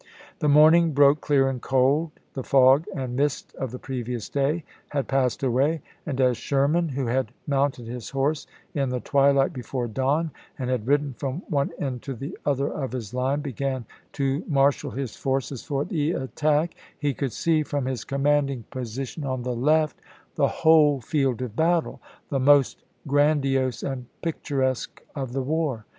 The morning broke clear and cold ; the fog and mist of the previous day had passed away, and as Sherman, who had mounted his horse in the twi light before dawn, and had ridden from one end to the other of his line, began to marshal his forces for the attack, he could see from his commanding position on the left the whole field of battle, the most grandiose and picturesque of the war.